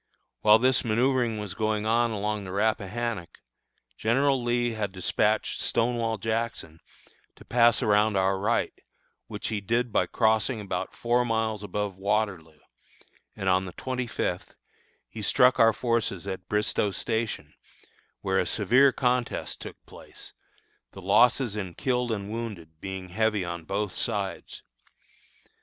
While this manoeuvring was going on along the Rappahannock, General Lee had despatched Stonewall Jackson, to pass around our right, which he did by crossing about four miles above Waterloo, and, on the twenty fifth, he struck our forces at Bristoe Station, where a severe contest took place, the losses in killed and wounded being heavy on both sides.